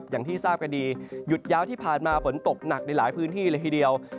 อย่างที่ทราบกันดีหยุดยาวที่ผ่านมาฝนตกหนักในหลายพื้นที่เลยทีเดียว